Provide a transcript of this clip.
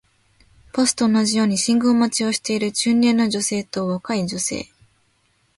バスと同じように信号待ちをしている中年の女性と若い女性